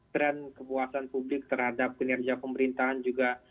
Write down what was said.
trend kepuasan publik terhadap kinerja pemerintahan juga